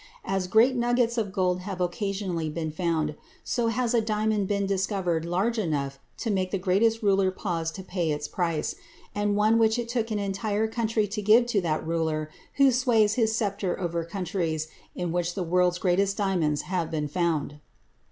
As great nuggets of gold have occasionally been found, so has a diamond been discovered large enough to make the greatest ruler pause to pay its price, and one which it took an entire country to give to that ruler who sways his sceptre over countries in which the world's greatest diamonds have been found.